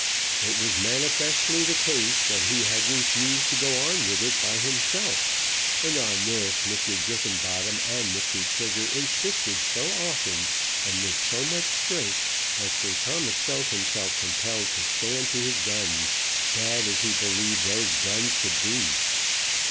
It was manifestly the case that he had refused to go on with it by himself, and on this Mr. Griffenbottom and Mr. Trigger insisted so often and with so much strength that Sir Thomas felt himself compelled to stand to his guns, bad as he believed those guns to be.